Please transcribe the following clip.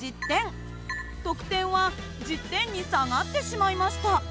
得点は１０点に下がってしまいました。